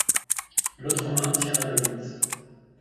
L'autre main tient la baguette.